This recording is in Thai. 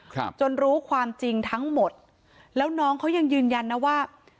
ครับจนรู้ความจริงทั้งหมดแล้วน้องเขายังยืนยันนะว่า